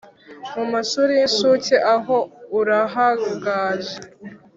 Mu mashuri y’inshuke aho urahaganje